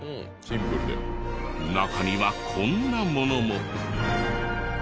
中にはこんなものも。